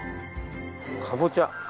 かぼちゃ。